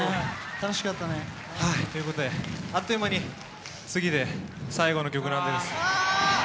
楽しかったね。ということであっという間に次で最後の曲なんです。